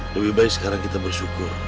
lebih baik sekarang kita bersyukur